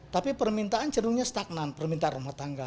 tapi permintaan cerungnya stagnan permintaan rumah tangga